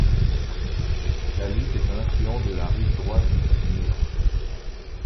La Luț est un affluent de la rive droite du Mureș.